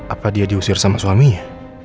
apa dia diusir sama suaminya